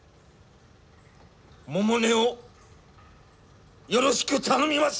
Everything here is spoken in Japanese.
百音をよろしく頼みます。